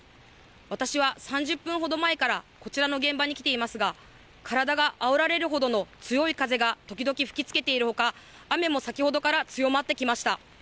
私は３０分ほど前からこちらの現場に来ていますが、体があおられるほどの強い風が時々吹きつけているほか、雨も先ほどから強まってきました。